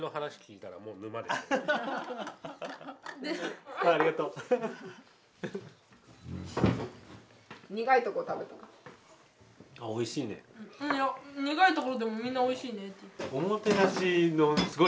いや苦いところでもみんなおいしいねって。